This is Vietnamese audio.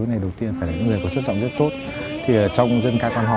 á đẹp duyên bên châu trần